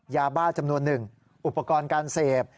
ยาบ้าจำนวนหนึ่งอุปกรณ์การเสพ